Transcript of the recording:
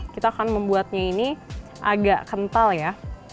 kita akan membuatnya ini agak kental ya